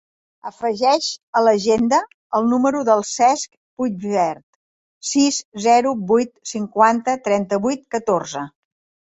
Afegeix a l'agenda el número del Cesc Puigvert: sis, zero, vuit, cinquanta, trenta-vuit, catorze.